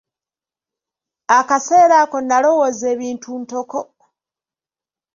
Akaseera ako nnalowooza ebintu ntoko.